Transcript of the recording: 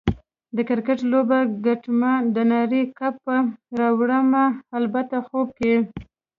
د کرکټ لوبه ګټمه، د نړۍ کپ به راوړمه - البته خوب کې